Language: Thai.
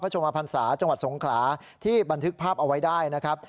ชมพันศาจังหวัดสงขลาที่บันทึกภาพเอาไว้ได้นะครับ